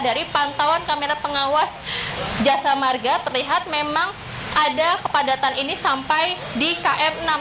dari pantauan kamera pengawas jasa marga terlihat memang ada kepadatan ini sampai di km enam puluh